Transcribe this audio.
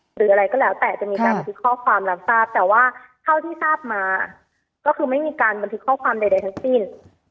หรืออะไรก็แล้วแต่จะมีการบันทึกข้อความรับทราบแต่ว่าเท่าที่ทราบมาก็คือไม่มีการบันทึกข้อความใดทั้งสิ้น